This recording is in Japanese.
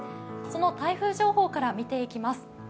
その台風情報から見ていきます。